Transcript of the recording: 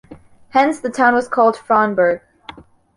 Hence, the town was called "Frauenburg".